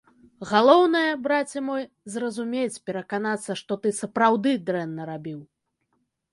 Галоўнае, браце мой, зразумець, пераканацца, што ты сапраўды дрэнна рабіў.